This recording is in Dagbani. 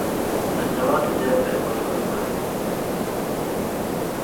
Ni zamaatu biɛla bahigunima puuni.